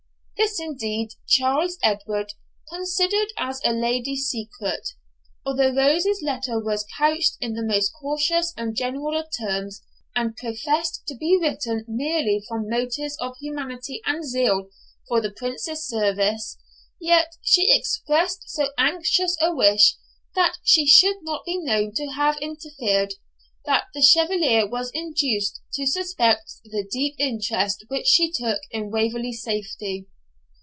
This, indeed, Charles Edward considered as a lady's secret; for although Rose's letter was couched in the most cautious and general terms, and professed to be written merely from motives of humanity and zeal for the Prince's service, yet she expressed so anxious a wish that she should not be known to have interfered, that the Chevalier was induced to suspect the deep interest which she took in Waverley's safety.